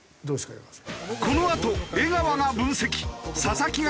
江川さん。